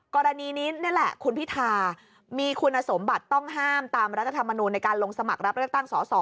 กรณีนี้นี่แหละคุณพิธามีคุณสมบัติต้องห้ามตามรัฐธรรมนูลในการลงสมัครรับเลือกตั้งสอสอ